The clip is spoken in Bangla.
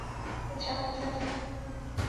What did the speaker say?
যান, চাচা।